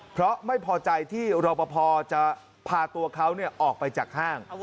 เพราะไม่พอใจที่รอปภจะพาตัวเขาออกไปจากห้าง